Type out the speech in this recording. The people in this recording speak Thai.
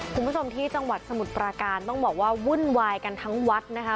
คุณผู้ชมที่จังหวัดสมุทรปราการต้องบอกว่าวุ่นวายกันทั้งวัดนะคะ